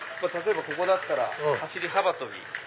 例えばここだったら走り幅跳び。